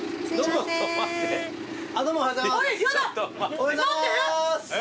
・おはようございます！